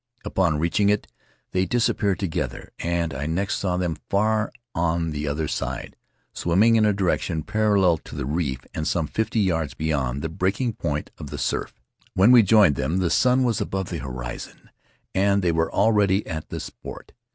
Upon reaching it they disappeared together, and I next saw them far on the other side, swimming in a direction parallel to the reef, and some fifty yards beyond the breaking point of the surf. When we joined them the sun was above the horizon and they were already at the sport.